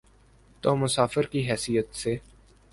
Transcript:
تو مسافر کی حیثیت سے۔